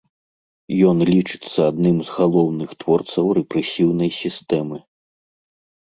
Ён лічыцца адным з галоўных творцаў рэпрэсіўнай сістэмы.